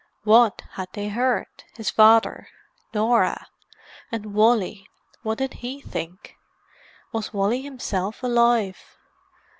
What had they heard—his father, Norah? And Wally—what did he think? Was Wally himself alive?